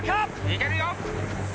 行けるよ！